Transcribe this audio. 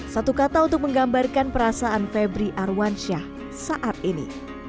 satu kata untuk menggambarkan perasaan febri arwansyah saat ini